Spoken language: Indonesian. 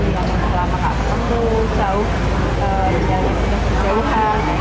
yang selama nggak ketemu jauh dan yang sudah berjaya